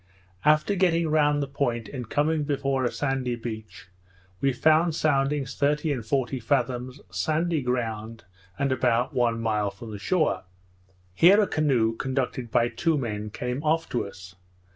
After getting round the point, and coming before a sandy beach, we found soundings thirty and forty fathoms, sandy ground, and about one mile from the shore. Here a canoe, conducted by two men, came off to us.